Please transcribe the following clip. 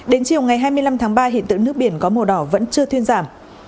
đến chiều ngày hai mươi năm tháng ba hiện tượng nước biển có màu đỏ vẫn chưa thuyên giảm